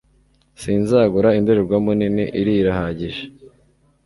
sinzagura indorerwamo nini iriya irahagije